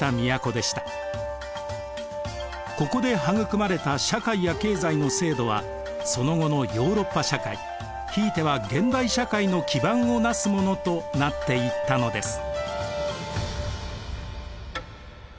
ここで育まれた社会や経済の制度はその後のヨーロッパ社会ひいては現代社会の基盤をなすものとなっていったのです。